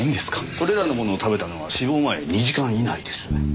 それらのものを食べたのは死亡前２時間以内です。